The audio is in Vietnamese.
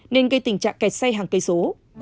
nên gây tình trạng kẹt xe hàng cây số